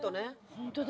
ホントだ。